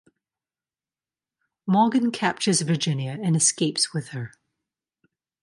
Morgan captures Virginia and escapes with her.